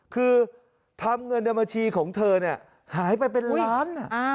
คือทำเงินดรรมชีของเธอหายไปเป็นล้าน